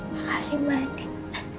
makasih mbak andin